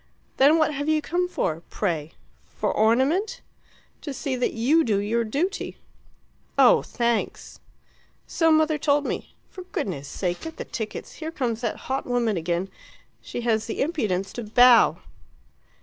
"Then what have you come for, pray? For ornament?" "To see that you do your duty." "Oh, thanks!" "So mother told me. For goodness sake get the tickets; here comes that hot woman again! She has the impudence to bow."